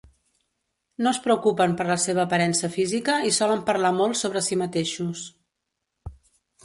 No es preocupen per la seva aparença física i solen parlar molt sobre si mateixos.